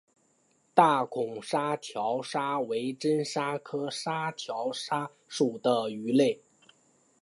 大孔沙条鲨为真鲨科沙条鲨属的鱼类。